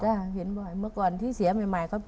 ใช่เห็นบ่อยเมื่อก่อนที่เสียใหม่